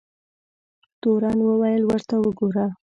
تورن وویل ورته وګوره.